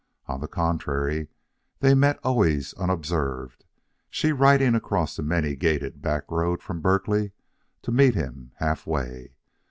On the contrary, they met always unobserved, she riding across the many gated backroad from Berkeley to meet him halfway.